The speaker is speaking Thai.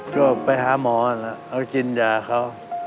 ก็ไปหาหมอแล้วเอากินยาเขา